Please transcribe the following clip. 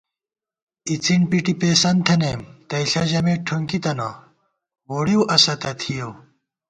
اِڅِن پٹی پېئیسنت تھِمېم، تئیݪہ ژمېت ٹُھنکی تنہ، ووڑِؤاسہ تہ تھِیَؤ